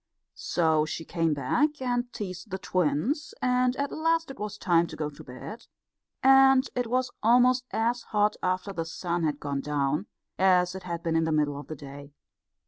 So she came back and teased the twins, and at last it was time to go to bed; and it was almost as hot after the sun had gone down as it had been in the middle of the day.